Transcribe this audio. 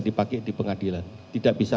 dipakai di pengadilan tidak bisa